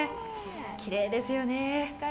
きれいですよね。